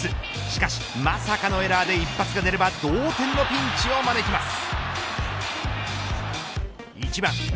しかし、まさかのエラーで一発が出れば同点のピンチを招きます。